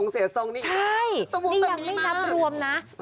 เสียทรงตะโม้ตัดมีมาก